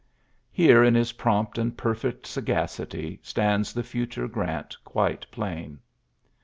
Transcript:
Here in his prompt ancT perfect sagacity stands the future Grant quite plain.